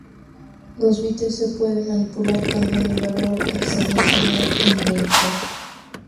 Los bytes se pueden manipular cambiando el valor hexadecimal en el editor.